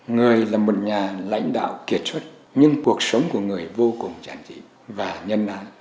người là một nhà lãnh đạo kiệt xuất nhưng cuộc sống của người vô cùng giản dị và nhân ái